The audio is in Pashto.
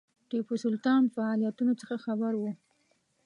ټیپو سلطان فعالیتونو څخه خبر وو.